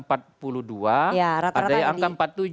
ada yang angka empat puluh tujuh